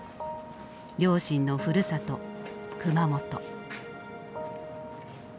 両親のふるさと熊本。